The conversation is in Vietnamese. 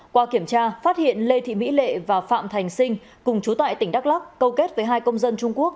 qua kiểm tra phát hiện lê thị mỹ lệ và phạm thành sinh cùng chú tại tỉnh đắk lắc câu kết với hai công dân trung quốc